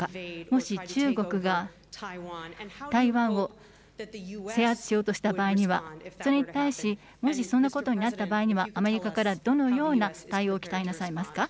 もし中国が台湾を制圧しようとした場合には、それに対し、もしそんなことになった場合には、アメリカからどのような対応を期待なさいますか。